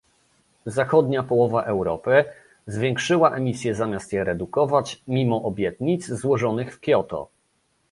Zachodnia połowa Europy zwiększyła emisje zamiast je redukować, mimo obietnic złożonych w Kioto